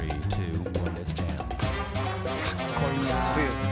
かっこいいよね。